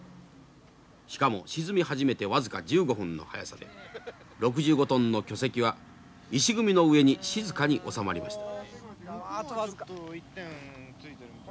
しかも沈み始めて僅か１５分の速さで６５トンの巨石は石組みの上に静かにおさまりました。